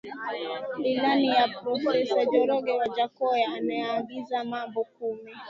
Ilani ya profesa George Wajackoya inaangazia mambo kumi